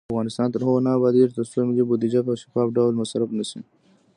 افغانستان تر هغو نه ابادیږي، ترڅو ملي بودیجه په شفاف ډول مصرف نشي.